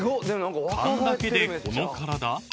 ［勘だけでこの体？］